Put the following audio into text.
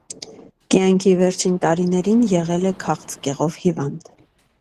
Կյանքի վերջին տարիներին եղել է քաղցկեղով հիվանդ։